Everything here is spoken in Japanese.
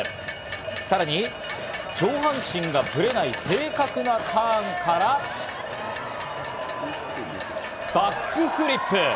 さらに上半身がブレない正確なターンからバックフリップ！